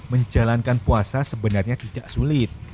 menjalankan puasa sebenarnya tidak sulit